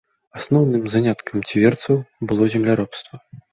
Асноўным заняткам ціверцаў было земляробства.